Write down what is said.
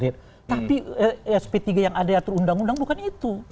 tapi sp tiga yang ada atur undang undang bukan itu